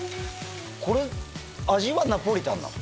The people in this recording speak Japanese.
これ味はナポリタンなの？